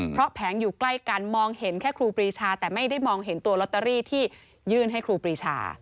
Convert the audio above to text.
เพราะแผงอยู่ใกล้กันมองเห็นแค่ครูปรีชาแต่ไม่ได้มองเห็นตัวลอตเตอรี่ที่ยื่นให้ครูปรีชา